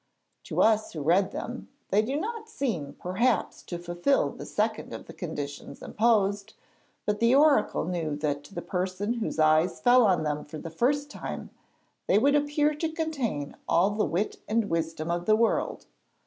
To us who read them, they do not seem perhaps to fulfil the second of the conditions imposed, but the oracle knew that to the person whose eyes fell on them for the first time, they would appear to contain all the wit and wisdom of the world.